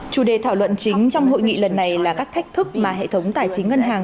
chủ đề thảo luận chính trong hội nghị lần này là các thách thức mà hệ thống tài chính ngân hàng